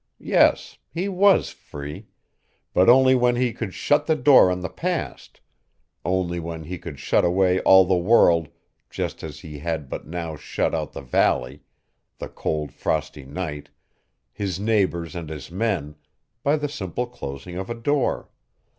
Yes, he was free, but only when he could shut the door on the past, only when he could shut away all the world just as he had but now shut out the valley, the cold frosty night, his neighbors and his men, by the simple closing of a door.